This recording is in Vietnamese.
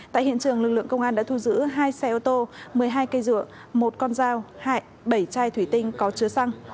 tại hiện trường lực lượng công an đã thu giữ hai xe ô tô một mươi hai cây dựa một con dao bảy chai thủy tinh có chứa xăng